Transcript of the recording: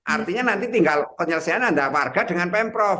artinya nanti tinggal penyelesaian antara warga dengan pemprov